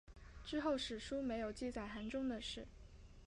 之后史书没有记载韩忠的事。